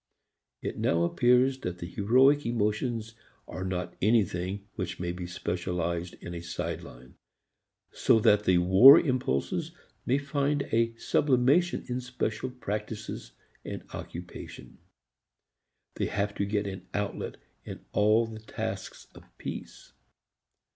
It now appears that the heroic emotions are not anything which may be specialized in a side line, so that the war impulses may find a sublimation in special practices and occupations. They have to get an outlet in all the tasks of peace.